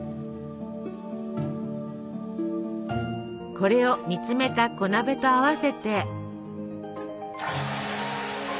これを煮詰めた小鍋と合わせて。